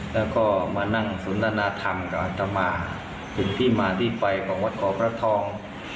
แล้วก็มานั่งสนทนาธรรมกับอัตมาถึงที่มาที่ไปของวัดขอพระทอง